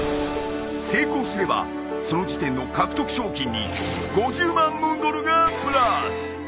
成功すればその時点の獲得賞金に５０万ムーンドルがプラス！